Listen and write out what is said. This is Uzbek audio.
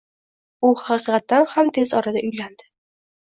U haqiqatan ham tez orada uylandi